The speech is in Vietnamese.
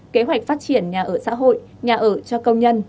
kế hoạch phát triển nhà ở xã hội nhà ở cho công nhân